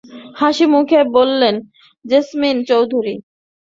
হাসিমুখে বললেন, জেসমিন চৌধুরী।